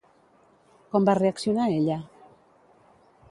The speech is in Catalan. Com va reaccionar ella?